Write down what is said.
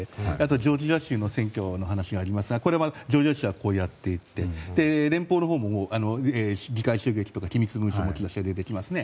ジョージア州の選挙の話がありますがジョージア州はこうやっていって連邦のほうも議会襲撃とか規律無視とか出てきますね。